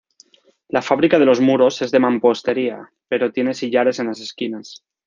La fábrica de los muros es de mampostería, pero tiene sillares en las esquinas.